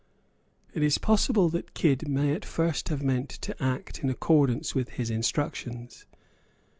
It is possible that Kidd may at first have meant to act in accordance with his instructions.